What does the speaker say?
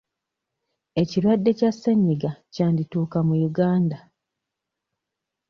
Ekirwadde kya ssenyiga kyandituuka mu Uganda